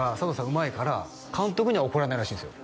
うまいから監督には怒られないらしいんですよ